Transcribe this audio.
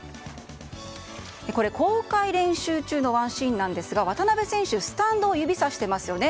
これは公開練習中のワンシーンですが渡邊選手スタンドを指さしていますよね。